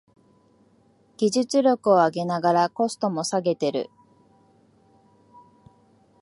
技術力を上げながらコストも下げてる